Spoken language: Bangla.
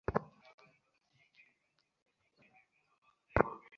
কিন্তু ও তো তিন্নি নয়।